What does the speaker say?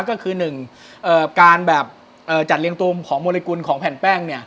ก็คือหนึ่งเอ่อการแบบเอ่อจัดเรียงตัวของโมเลกุลของแผ่นแป้งเนี้ย